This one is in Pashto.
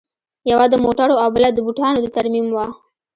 یوه د موټرو او بله د بوټانو د ترمیم وه